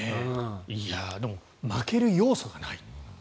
でも負ける要素がないと。